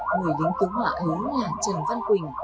người lính cứu họa ấy là trần văn quỳnh